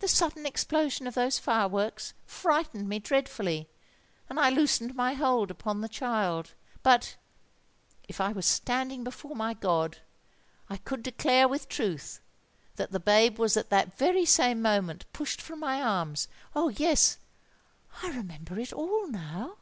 "The sudden explosion of those fireworks frightened me dreadfully, and I loosened my hold upon the child: but—if I was standing before my God, I could declare with truth that the babe was at that very same moment pushed from my arms!—Oh! yes—I remember it all now!"